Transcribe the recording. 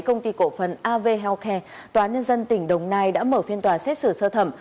công ty cổ phần av healthcare tòa nhân dân tỉnh đồng nai đã mở phiên tòa xét xử sơ thẩm